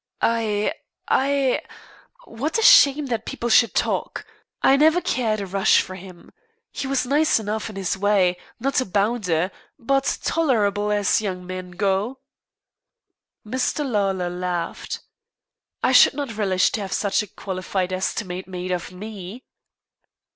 "I I! What a shame that people should talk! I never cared a rush for him. He was nice enough in his way, not a bounder, but tolerable as young men go." Mr. Lawlor laughed. "I should not relish to have such a qualified estimate made of me."